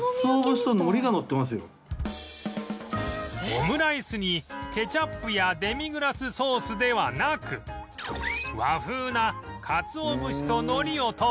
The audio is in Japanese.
オムライスにケチャップやデミグラスソースではなく和風な「オムライスか？